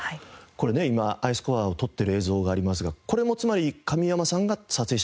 これね今アイスコアを取ってる映像がありますがこれもつまり神山さんが撮影したって事ですか？